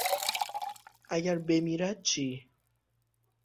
اگر بمیرد چی!